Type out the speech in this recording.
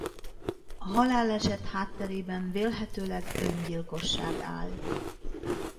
A haláleset hátterében vélhetőleg öngyilkosság áll.